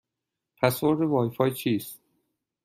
پسورد وای فای چیست؟